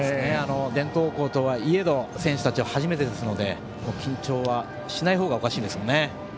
伝統校とはいえど選手たちは初めてですので緊張しない方がおかしいですからね。